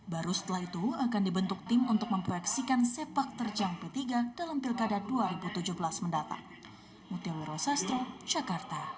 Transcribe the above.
baru setelah itu akan dibentuk tim untuk memproyeksikan sepak terjang p tiga dalam pilkada dua ribu tujuh belas mendatang